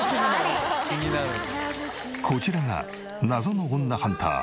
こちらが謎の女ハンター。